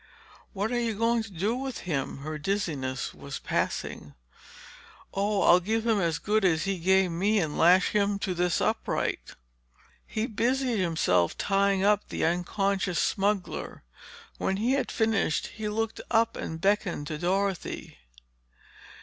"What are you going to do with him?" Her dizziness was passing. "Oh, I'll give him as good as he gave me, and lash him to this upright." He busied himself tying up the unconscious smuggler. When he had finished, he looked up and beckoned to Dorothy.